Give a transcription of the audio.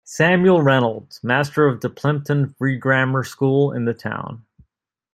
Samuel Reynolds, master of the Plympton Free Grammar School in the town.